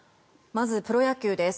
まずプロ野球です。